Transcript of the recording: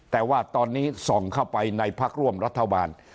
แต่ว่าตอนนี้ส่องเข้าไปในพักร่วมรัฐบาล